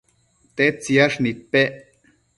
tedtsiyash nidpec